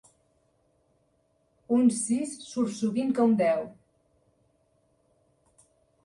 Un sis surt sovint que un deu.